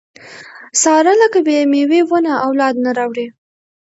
ساره لکه بې مېوې ونه اولاد نه راوړي.